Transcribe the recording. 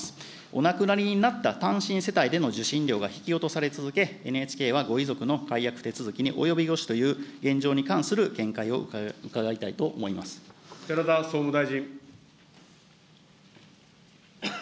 お亡くなりになった単身世帯での受信料が引き落とされ続け、ＮＨＫはご遺族の解約手続きに及び腰という現状に関する見解を伺寺田総務大臣。